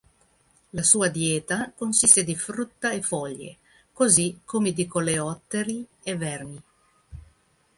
La sua dieta consiste di frutta e foglie, così come di coleotteri e vermi.